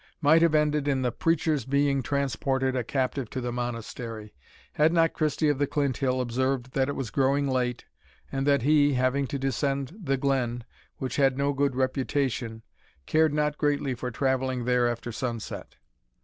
might have ended in the preacher's being transported a captive to the Monastery, had not Christie of the Clinthill observed that it was growing late, and that he, having to descend the glen, which had no good reputation, cared not greatly for travelling there after sunset.